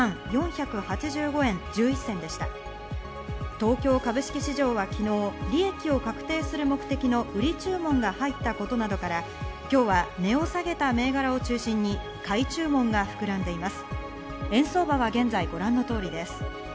東京株式市場は昨日、利益を確定する目的の売り注文が入ったことなどから、今日は値を下げた銘柄を中心に買い注文が膨らんでいます。